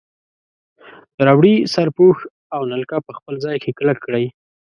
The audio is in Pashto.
ربړي سرپوښ او نلکه په خپل ځای کې کلک کړئ.